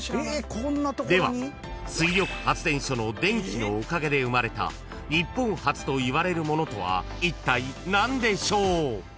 ［では水力発電所の電気のおかげで生まれた日本初といわれるものとはいったい何でしょう？］